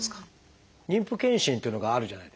妊婦健診というのがあるじゃないですか。